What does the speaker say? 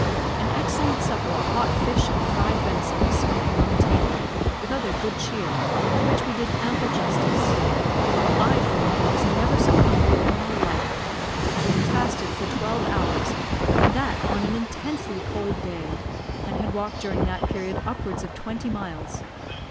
An excellent supper of hot fish and fried venison was smoking on the table, with other good cheer, to which we did ample justice. I, for one, never was so hungry in my life. We had fasted for twelve hours, and that on an intensely cold day, and had walked during that period upwards of twenty miles.